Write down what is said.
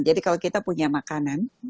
jadi kalau kita punya makanan